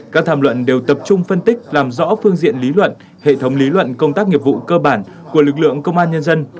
các tham luận đều tập trung phân tích làm rõ phương diện lý luận hệ thống lý luận công tác nghiệp vụ cơ bản của lực lượng công an nhân dân